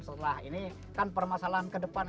setelah ini kan permasalahan kedepannya